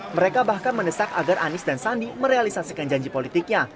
mereka bahkan mendesak agar anies dan sandi merealisasikan janji politiknya